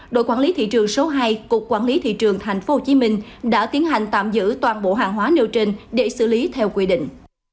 đội quản lý thị trường số hai cục quản lý thị trường tp hcm đã tiến hành tạm giữ toàn bộ hàng hóa nêu trên để xử lý theo quy định